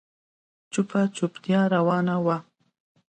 چوپه چوپتيا روانه وه.